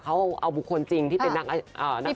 เขาเอาบุคคลจริงที่เป็นนาง